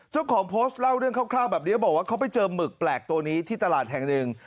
เจ้าของโพสต์เล่าเรื่องคร่าวแบบนี้บอกว่าเขาไปเจอหมึกแปลกตัวนี้ที่ตลาดแห่งหนึ่ง